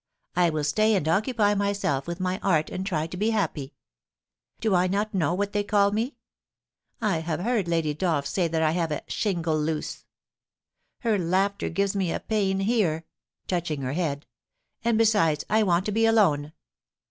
I will stay and occupy myself with my art and try to be happy. Do I not know what they call me ? I have heard I^dy Dolph say that I have " a shingle loose." Her laughter gives me a pain here,' touching her head ;* and besides, I want to be alone.'